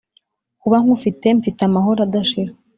Kuba nkufite mfite amahoro adashira